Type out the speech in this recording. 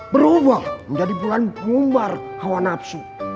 berubah menjadi bulan bumar hawa nafsu